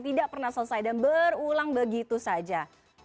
tidak pernah selesai dan berulang begitu saja